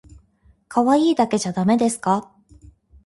かわいいだけじゃだめですか？